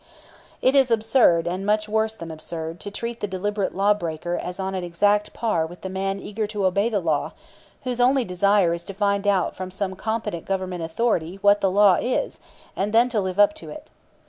It is absurd, and much worse than absurd, to treat the deliberate lawbreaker as on an exact par with the man eager to obey the law, whose only desire is to find out from some competent Governmental authority what the law is, and then to live up to it.